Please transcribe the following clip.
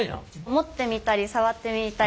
持ってみたり触ってみたり。